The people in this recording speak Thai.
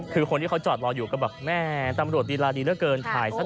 คือคนที่เขาจอดรออยู่ก็แบบแม่ตำรวจลีลาดีเหลือเกินถ่ายซะ